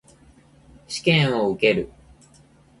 試験を受ける。